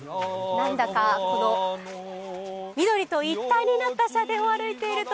なんだか、緑と一体となった社殿を歩いていると、